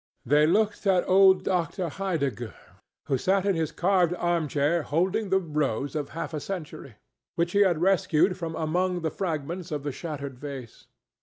They looked at old Dr. Heidegger, who sat in his carved armchair holding the rose of half a century, which he had rescued from among the fragments of the shattered vase.